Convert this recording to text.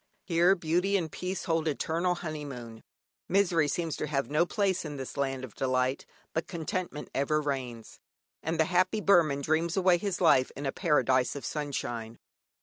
Here Beauty and Peace hold eternal honeymoon. Misery seems to have no place in this land of delight, but contentment ever reigns, and the happy Burman dreams away his life in a paradise of sunshine.